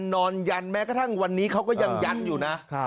ยันแม้กระทั่งวันนี้เขาก็ยังยันอยู่นะ